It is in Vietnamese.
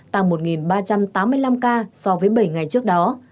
tăng một ba trăm tám mươi năm ca so với bảy ngày trước đó